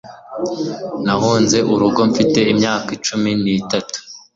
Nahunze urugo mfite imyaka cumi n'itatu.